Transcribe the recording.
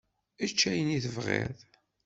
Ečč akk ayen i tebɣiḍ.